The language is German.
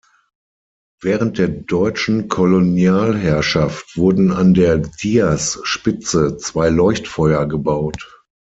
Während der deutschen Kolonialherrschaft wurden an der Diaz-Spitze zwei Leuchtfeuer gebaut.